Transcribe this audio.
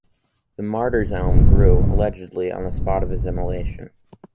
The "Martyr's Elm" grew, allegedly, on the spot of his immolation.